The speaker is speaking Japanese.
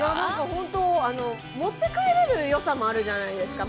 ◆本当、持って帰れるよさもあるじゃないですか。